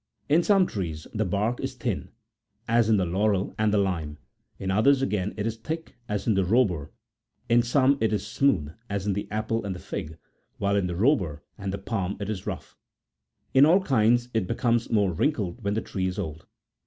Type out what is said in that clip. In some trees the bark60 is thin, as in the laurel and the lime ; in others, again, it is thick, as in the robur ; in some it is smooth, as in the apple and the fig, while in the robur and the palm it is rough : in all kinds it becomes more wrinkled when the tree is old.